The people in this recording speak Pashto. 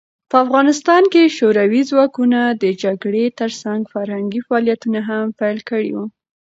په افغانستان کې شوروي ځواکونه د جګړې ترڅنګ فرهنګي فعالیتونه هم پیل کړي وو.